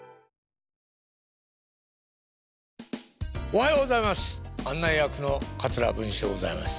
おはようございます！